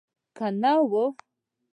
که نه وه.